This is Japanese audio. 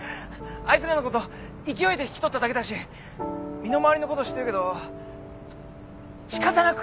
あいつらのこと勢いで引き取っただけだし身の回りのことしてるけど仕方なくっていうか。